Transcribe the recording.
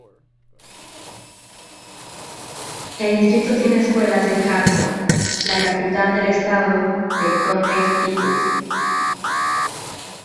El distrito tiene escuelas en Hartford, la capital del estado de Connecticut.